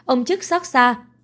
ông chức xót xa